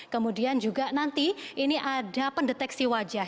kemudian juga nanti ini ada pendeteksi wajah